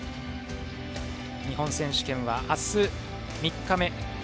日本選手権は明日が３日目。